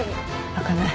開かない。